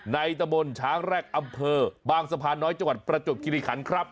ตะบนช้างแรกอำเภอบางสะพานน้อยจังหวัดประจวบคิริขันครับ